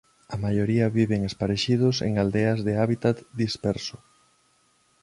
A maioría viven esparexidos en aldeas de hábitat disperso.